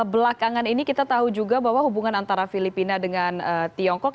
belakangan ini kita tahu juga bahwa hubungan antara filipina dengan tiongkok